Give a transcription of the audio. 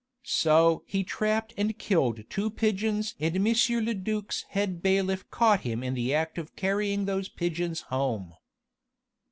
So he trapped and killed two pigeons and M. le duc's head bailiff caught him in the act of carrying those pigeons home.